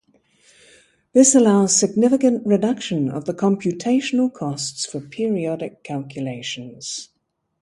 This allows significant reduction of the computational cost for periodic calculations.